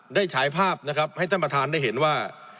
ฉายภาพนะครับให้ท่านประธานได้เห็นว่า